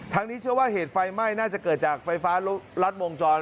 นี้เชื่อว่าเหตุไฟไหม้น่าจะเกิดจากไฟฟ้ารัดวงจร